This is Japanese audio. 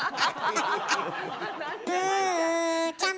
プーちゃん。